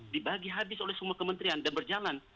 dibagi habis oleh semua kementerian dan berjalan